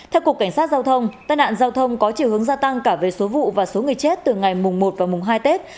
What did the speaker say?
theo cục cảnh sát giao thông tai nạn giao thông có chiều hướng gia tăng cả về số vụ và số người chết từ ngày mùng một và mùng hai tết